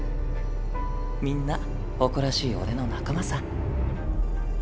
みんな誇らしい俺の仲間さ。